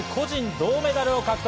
銅メダルを獲得。